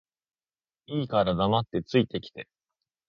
いいから黙って着いて来て